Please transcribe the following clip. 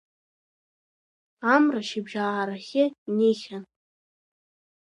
Амра шьыбжь аарахьы инеихьан.